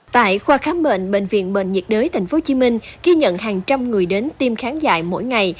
tại khoa khám bệnh bệnh viện bệnh nhiệt đới tp hcm ghi nhận hàng trăm người đến tiêm kháng dại mỗi ngày